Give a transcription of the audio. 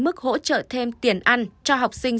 mức hỗ trợ thêm tiền ăn cho học sinh